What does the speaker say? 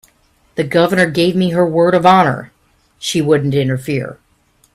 The Governor gave me her word of honor she wouldn't interfere.